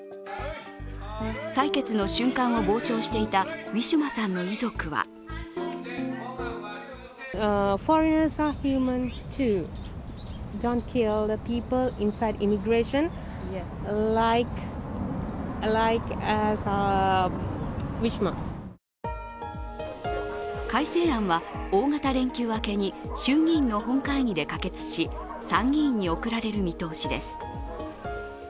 採決の瞬間を傍聴していたウィシュマさんの遺族は改正案は大型連休明けに衆議院の本会議で可決し、参議院に送られる見通しです。